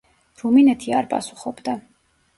რუმინეთი არ პასუხობდა.